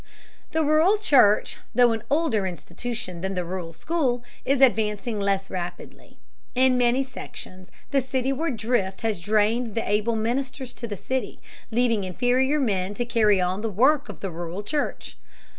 The rural church, though an older institution than the rural school, is advancing less rapidly. In many sections the cityward drift has drained the able ministers to the city, leaving inferior men to carry on the work of the rural church.